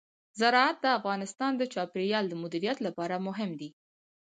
زراعت د افغانستان د چاپیریال د مدیریت لپاره مهم دي.